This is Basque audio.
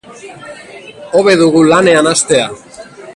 Hobe dugu lanean hastea.